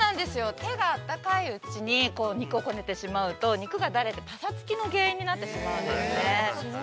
手があったかいうちにこねてしまうと肉がだれて、ぱさつきの原因になってしまうんですね。